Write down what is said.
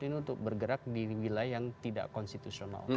ini untuk bergerak di wilayah yang tidak konstitusional